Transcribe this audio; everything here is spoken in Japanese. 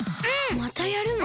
またやるの？